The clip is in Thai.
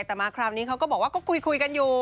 แต่มาคราวนี้เขาก็บอกว่าก็คุยกันอยู่